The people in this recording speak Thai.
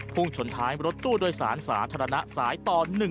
ชนท้ายรถตู้โดยสารสาธารณะสายต่อ๑